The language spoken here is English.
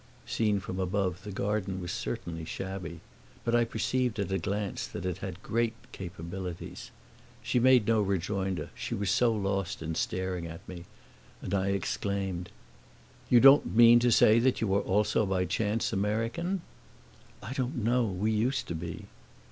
Seen from above the garden was certainly shabby; but I perceived at a glance that it had great capabilities. She made no rejoinder, she was so lost in staring at me, and I exclaimed, "You don't mean to say you are also by chance American?" "I don't know; we used to be."